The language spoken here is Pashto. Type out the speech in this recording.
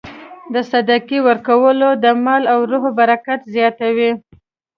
د صدقې ورکول د مال او روح برکت زیاتوي.